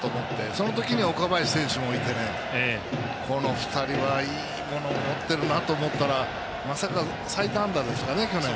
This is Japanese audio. その時に岡林選手もいてこの２人はいいものを持ってるなと思ったらまさか最多安打ですかね、去年。